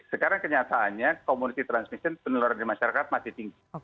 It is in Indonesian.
ternyata komunitas transmisi penularan dari masyarakat masih tinggi